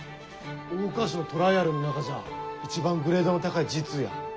桜花賞トライアルの中じゃ一番グレードの高いＧⅡや。